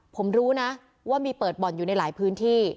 ผมรู้นะว่ามีเปิดบ่อนอยู่ในหลายพื้นที่